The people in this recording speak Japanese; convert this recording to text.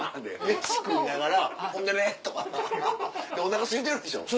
飯食いながら「ほんでね」とかおなかすいてるでしょ？